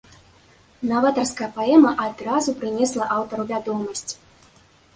Наватарская паэма адразу прынесла аўтару вядомасць.